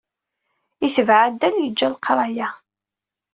Itbeɛ addal, yeǧǧa leqraya.